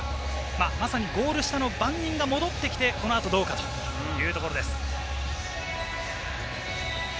まさにゴール下の番人が戻ってきて、この後どうかというところ。